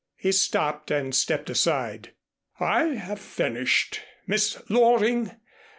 He stopped and stepped aside. "I have finished, Miss Loring.